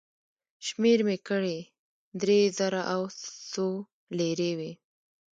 شمېر مې کړې، درې زره او څو لېرې وې.